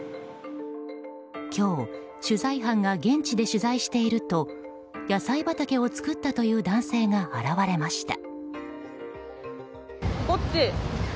今日、取材班が現地で取材していると野菜畑を作ったという男性が現れました。